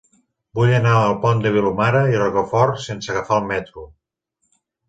Vull anar al Pont de Vilomara i Rocafort sense agafar el metro.